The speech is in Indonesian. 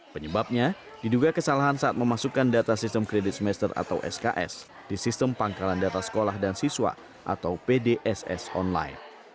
penyebabnya diduga kesalahan saat memasukkan data sistem kredit semester atau sks di sistem pangkalan data sekolah dan siswa atau pdss online